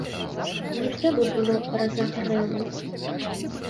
Не трэба было разагрэву!